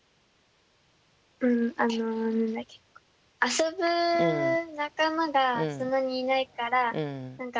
うんあの遊ぶ仲間がそんなにいないから何か。